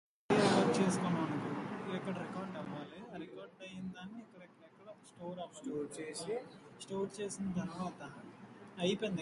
The Center also had a large collection of Buchla, Moog, and Serge Modular synthesizers.